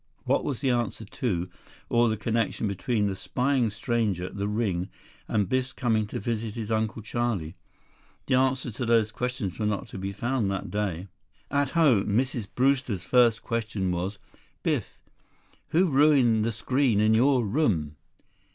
What was the answer to, or the connection between, the spying stranger, the ring, and Biff's coming visit to his Uncle Charlie? The answers to those questions were not to be found that day. At home, Mrs. Brewster's first question was, "Biff, who ruined the screen in your room?"